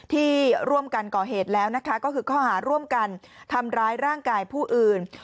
ที่ร่วมกันก่อเหตุแล้วนะคะก็คือข้อหาร่วมกันทำร้ายร่างกายผู้อื่น